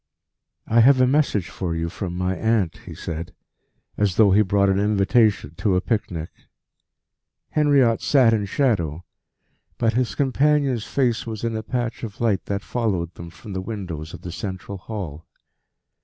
"I have a message for you from my aunt," he said, as though he brought an invitation to a picnic. Henriot sat in shadow, but his companion's face was in a patch of light that followed them from the windows of the central hall.